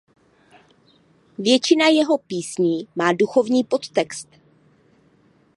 Většina jeho písní má duchovní podtext.